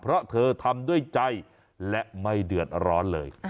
เพราะเธอทำด้วยใจและไม่เดือดร้อนเลย